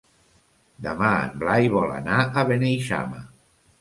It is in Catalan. Demà en Blai vol anar a Beneixama.